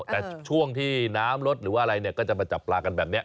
แต่ช่วงที่น้ำลดหรือว่าอะไรเนี่ยก็จะมาจับปลากันแบบนี้